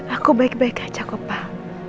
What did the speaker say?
aku baik baik aja kok pak